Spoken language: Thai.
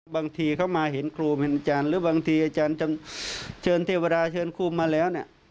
บางทีเขามาเห็นครูเป็นอาจารย์หรือบางทีอาจารย์เชิญเทวดาเชิญครูมาแล้วเนี่ย